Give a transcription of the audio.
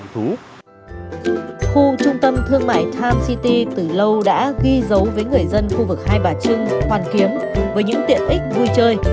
khu trung tâm thương mại time city từ lâu đã ghi dấu với người dân khu vực hai bà trưng hoàn kiếm với những tiện ích vui chơi